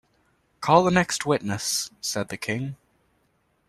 ‘Call the next witness!’ said the King.